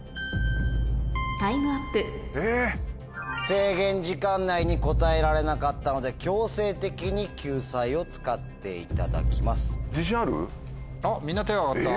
制限時間内に答えられなかったので強制的に救済を使っていただきます。